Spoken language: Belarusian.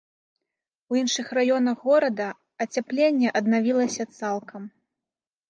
У іншых раёнах горада ацяпленне аднавілася цалкам.